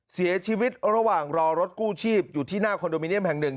เสียชีวิตระหว่างรอรถกู้ชีพอยู่ที่หน้าคอนโดมิเนียมแห่งหนึ่ง